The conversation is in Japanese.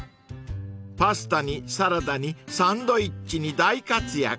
［パスタにサラダにサンドイッチに大活躍］